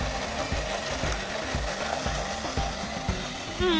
うん。